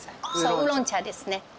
ウーロン茶ですね。